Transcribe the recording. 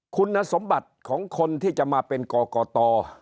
คุณสมบัติของคนที่จะมาเป็นกกต